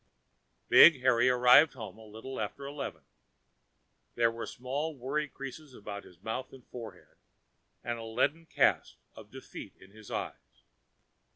Big Harry arrived home a little after eleven. There were small worry creases about his mouth and forehead, and the leaden cast of defeat in his eyes.